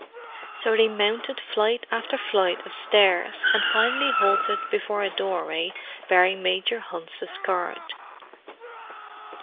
So they mounted flight after flight of stairs, and finally halted before a doorway bearing Major Hunt's card.